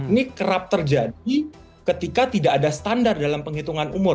ini kerap terjadi ketika tidak ada standar dalam penghitungan umur